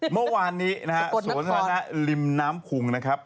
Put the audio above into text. เมื่อวานนี้นะฮะสวนสนะริมน้ำพุงนะครับ